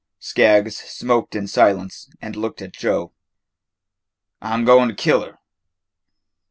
Skaggs smoked in silence and looked at Joe. "I 'm goin' to kill her."